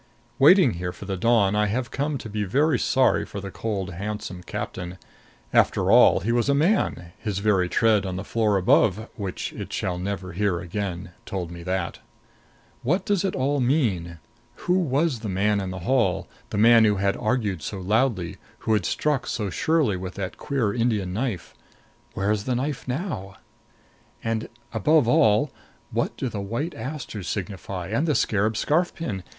Waiting here for the dawn, I have come to be very sorry for the cold handsome captain. After all, he was a man; his very tread on the floor above, which it shall never hear again, told me that. What does it all mean? Who was the man in the hall, the man who had argued so loudly, who had struck so surely with that queer Indian knife? Where is the knife now? And, above all, what do the white asters signify? And the scarab scarf pin?